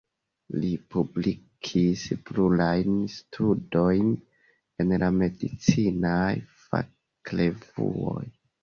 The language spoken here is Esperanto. Li publikis plurajn studojn en la medicinaj fakrevuoj.